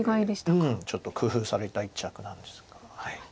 うんちょっと工夫された一着なんですが。